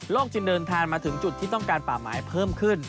จึงเดินทางมาถึงจุดที่ต้องการป่าไม้เพิ่มขึ้น